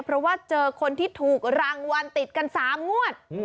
เพราะว่าเจอคนที่ถูกรางวัลติดกัน๓งวด